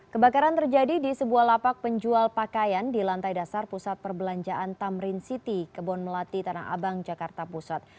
kebakaran terjadi di sebuah lapak penjual pakaian di lantai dasar pusat perbelanjaan tamrin city kebon melati tanah abang jakarta pusat